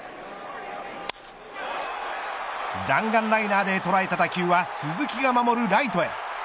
弾丸ライナーで捉えた打球は鈴木が守るライトへ。